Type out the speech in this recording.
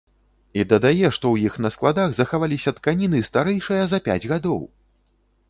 І дадае, што ў іх на складах захаваліся тканіны, старэйшыя за пяць гадоў!